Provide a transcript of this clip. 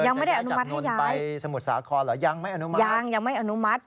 ยังไม่ได้อนุมัติให้ย้ายยังไม่อนุมัติ